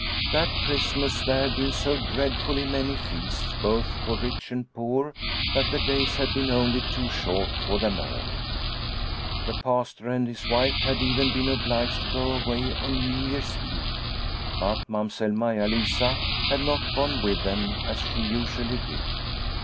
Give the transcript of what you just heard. That Christmas there had been so dreadfully many feasts both for rich and poor that the days had been only too short for them all. The Pastor and his wife had even been obliged to go away on New Year's Eve, but Mamsell Maia Lisa had not gone with them as she usually did.